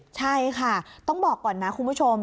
ใช่ค่ะต้องบอกก่อนนะคุณผู้ชม